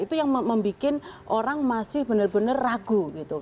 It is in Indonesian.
itu yang membuat orang masih benar benar ragu gitu